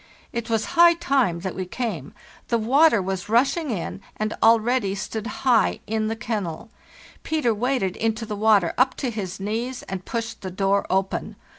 It was high time that we came; the water was rushing in and already stood high in the kennel. Peter waded into the water up to his knees and pushed the door open.